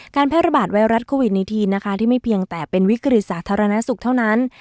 แพร่ระบาดไวรัสโควิด๑๙นะคะที่ไม่เพียงแต่เป็นวิกฤตสาธารณสุขเท่านั้น